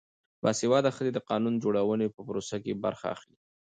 باسواده ښځې د قانون جوړونې په پروسه کې برخه اخلي.